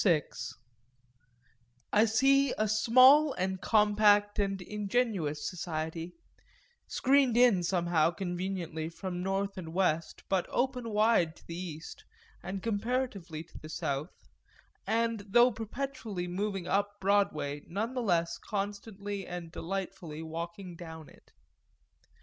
VI I see a small and compact and ingenuous society, screened in somehow conveniently from north and west, but open wide to the east and comparatively to the south and, though perpetually moving up Broadway, none the less constantly and delightfully walking down it.